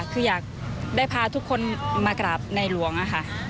คืออยากได้พาทุกคนมากราบในหลวงค่ะ